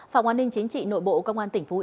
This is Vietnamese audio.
phòng an ninh chính trị nội bộ công an tỉnh pháp luật